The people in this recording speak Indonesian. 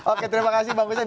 oke terima kasih bang hussein